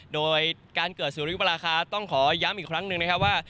โดยการเกิดสุริยุปราคาต้องขอย้ำอีกครั้งหนึ่งนะครับว่า